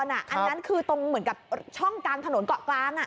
อันนั้นคือตรงเหมือนกับช่องกลางถนนเกาะกลาง